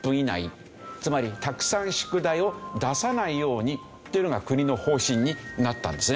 つまりたくさん宿題を出さないようにというのが国の方針になったんですね。